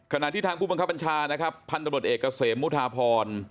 ขณะที่ทางผู้บังคับบัญชานะครับพันธบทเอกเกษมมุทาพร